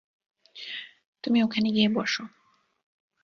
তুমি ওখানে গিয়ে বসো।